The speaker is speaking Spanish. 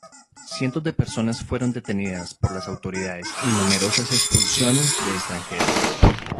Cientos de personas fueron detenidas por las autoridades y numerosas expulsiones de extranjeros.